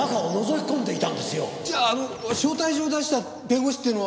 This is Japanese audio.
じゃああの招待状を出した弁護士っていうのは。